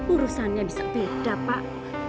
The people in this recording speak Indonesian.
urusannya bisa beda pak